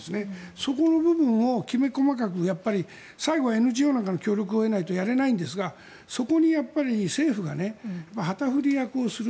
そこの部分をきめ細かく最後、ＮＧＯなんかの協力を得ないとやれないんですがそこにやっぱり政府が旗振り役をする。